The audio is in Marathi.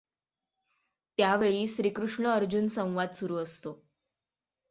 त्यावेळी श्रीकृष्ण अर्जुन संवाद सुरू असतो.